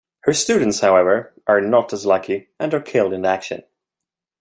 Her students however, are not as lucky and are killed in action.